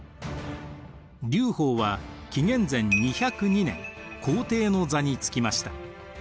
劉邦は紀元前２０２年皇帝の座につきました。